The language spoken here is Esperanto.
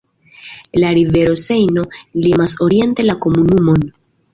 La rivero Sejno limas oriente la komunumon.